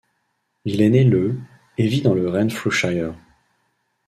Il est né le et vit dans le Renfrewshire.